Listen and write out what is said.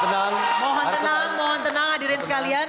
mohon tenang mohon tenang hadirin sekalian